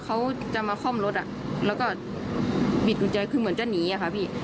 เขาจะมาคล่อมรถแล้วก็บิดกุญแจคือเหมือนจะหนีอะค่ะพี่